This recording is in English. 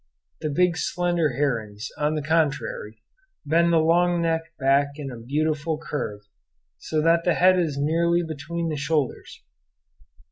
The big slender herons, on the contrary, bend the long neck back in a beautiful curve, so that the head is nearly between the shoulders.